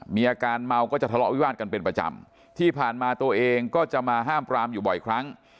มีอาการเมาก็จะทะเลาะวิวาสกันเป็นประจำที่ผ่านมาตัวเองก็จะมาห้ามปรามอยู่บ่อยครั้ง